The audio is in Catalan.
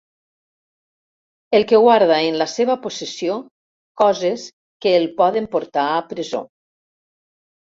El que guarda en la seva possessió coses que el poden portar a presó.